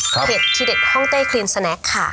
เห็ดที่เด็ดห้องเต้ครีนสแนคค่ะ